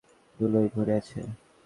দেখছিসই তো, চারিদিকে কেমন ধুলোয় ভরে আছে।